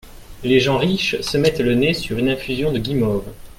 Les gens riches se mettent le nez sur une infusion de guimauve…